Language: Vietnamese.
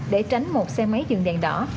để tránh một xe máy dừng đèn đỏ